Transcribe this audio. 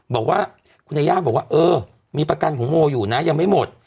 บอกว่าคุณยาย่าบอกว่าเออมีประกันของโมอยู่นะยังไม่หมด